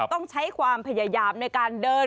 ต้องใช้ความพยายามในการเดิน